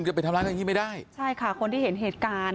ก็ไปทำร้ายแบบนี้ไม่ได้ใช่ค่ะคนที่เห็นเหตุการณ์